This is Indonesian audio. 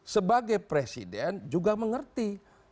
sebagai presiden juga mengerti